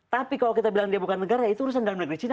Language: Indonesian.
tapi kalau kita bilang dia bukan negara itu urusan dalam negeri china